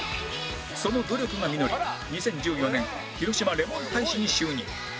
その努力が実り２０１４年広島レモン大使に就任